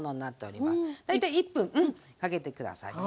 大体１分かけて下さいね。